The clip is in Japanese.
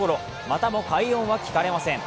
またも快音は聞かれません。